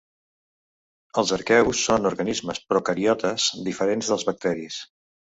Els arqueus són organismes procariotes diferents dels bacteris.